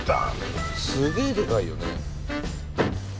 すげえでかいよね。